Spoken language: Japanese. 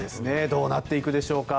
どうなっていくでしょうか。